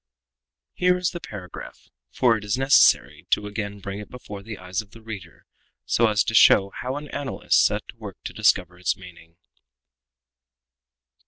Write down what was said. Here is the paragraph, for it is necessary to again bring it before the eyes of the reader so as to show how an analyst set to work to discover its meaning.